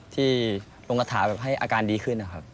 ที่ลงคาถาให้อาการดีขึ้น